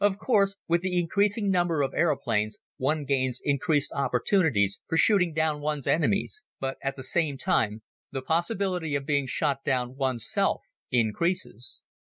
Of course, with the increasing number of aeroplanes one gains increased opportunities for shooting down one's enemies, but at the same time, the possibility of being shot down one's self increases.